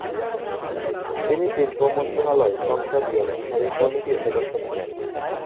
তিনি শিল্পমন্ত্রণালয় সংসদীয় স্থায়ী কমিটির সদস্য ছিলেন।